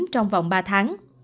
trong vòng ba tháng